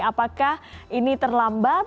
apakah ini terlambat